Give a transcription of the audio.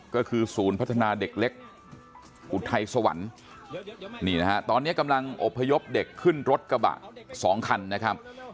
ก็คือศูนย์พัฒนาเด็กเล็กอุทัยสวรรค์นี่นะฮะตอนนี้กำลังอบพยพเด็กขึ้นรถกระบะ๒คันนะครับ